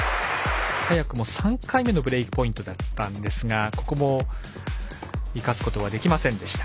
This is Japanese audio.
早くも３回目のブレークポイントだったんですがここも、生かすことはできませんでした。